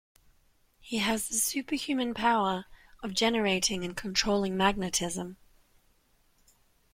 He has the superhuman power of generating and controlling magnetism.